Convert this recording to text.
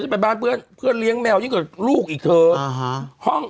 ไปบ้านเพื่อนเพื่อนเลี้ยงแมวยิ่งกว่าลูกอีกเธออ่าฮะห้อง